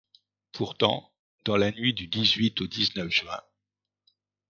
Pourtant, dans la nuit du dix-huit au dix-neuf juin